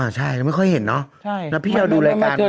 อ่าใช่ก็ไม่ค่อยเห็นภาพชาติดูรายการ